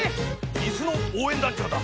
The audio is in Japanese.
イスのおうえんだんちょうだ！